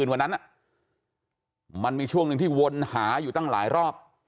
วันนั้นมันมีช่วงหนึ่งที่วนหาอยู่ตั้งหลายรอบ